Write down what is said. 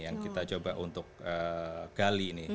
yang kita coba untuk gali ini